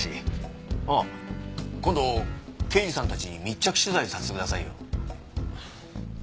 ああ今度刑事さんたちに密着取材させてくださいよ。